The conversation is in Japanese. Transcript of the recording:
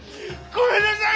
ごめんなさい！